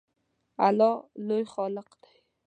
الله لوی خالق دی